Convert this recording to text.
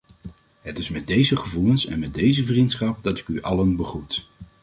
Het is met deze gevoelens en met deze vriendschap dat ik u allen begroet.